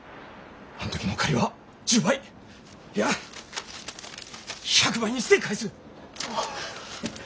あん時の借りは１０倍いや１００倍にして返す。